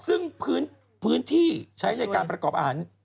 ซึ่งพื้นที่ใช้ในการประกอบอาหาร